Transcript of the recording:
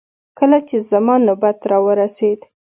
کله چې زما نوبت راورسېد.